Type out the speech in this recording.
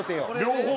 両方。